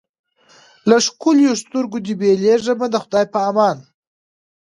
له ښکلیو سترګو دي بېلېږمه د خدای په امان